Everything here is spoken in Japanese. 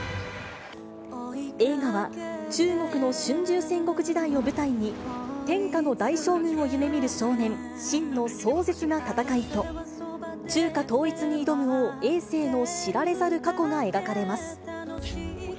映画は中国の春秋戦国時代を舞台に、天下の大将軍を夢みる少年、信の壮絶な戦いと、中華統一に挑む王、えい政の知られざる過去が描かれます。